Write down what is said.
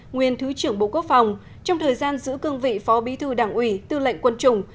nguyên thứ trưởng bộ quốc phòng trong thời gian giữ cương vị phó bí thư đảng ủy tư lệnh quân chủng